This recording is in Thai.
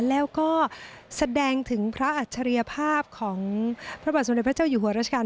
แล้วก็แสดงถึงพระอัจฉริยภาพของพระบาทสมเด็จพระเจ้าอยู่หัวราชการ